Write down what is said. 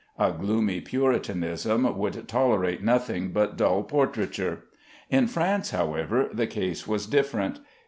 A gloomy Puritanism would tolerate nothing but dull portraiture. In France, however, the case was different.